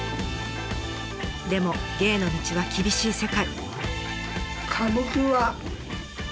でも芸の道は厳しい世界。